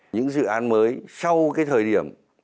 những dự án mới sau cái thời điểm